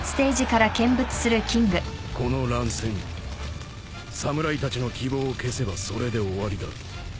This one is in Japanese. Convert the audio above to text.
この乱戦侍たちの希望を消せばそれで終わりだ。